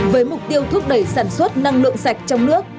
với mục tiêu thúc đẩy sản xuất năng lượng sạch trong nước